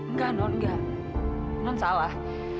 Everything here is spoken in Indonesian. nggak non nggak non salah